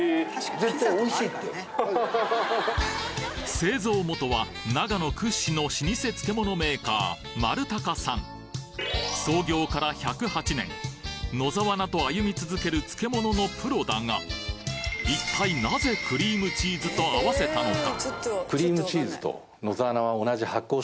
製造元は長野屈指の老舗漬物メーカーまるたかさん創業から１０８年野沢菜と歩み続ける漬物のプロだが一体合わせたのか？